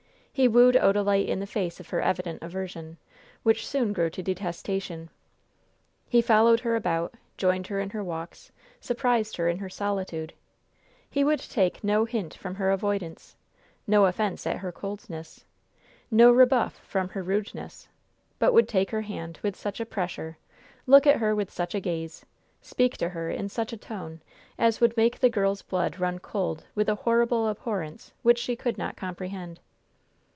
He wooed Odalite in the face of her evident aversion, which soon grew to detestation. He followed her about, joined her in her walks, surprised her in her solitude; he would take no hint from her avoidance, no offense at her coldness, no rebuff from her rudeness; but would take her hand with such a pressure, look at her with such a gaze, speak to her in such a tone as would make the girl's blood run cold with a horrible abhorrence which she could not comprehend.